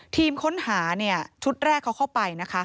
ทีมค้นหาชุดแรกเขาเข้าไป